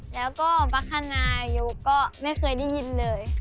แล้วก็บัคคนายกก็ไม่เคยได้ยินเลย